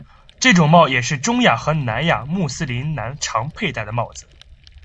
这种帽也是中亚和南亚穆斯林男子常佩戴的帽子。